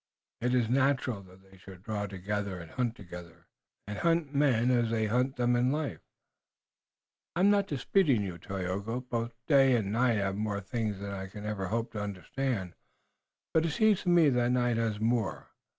It is natural that they should draw together and hunt together, and hunt men as they hunted them in life." "I'm not disputing you, Tayoga. Both day and night have more things than I can ever hope to understand, but it seems to me that night has the more.